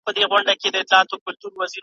د غلا تعویذ `